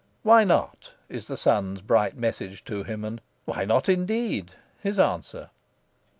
"Why not?" is the sun's bright message to him, and "Why not indeed?" his answer.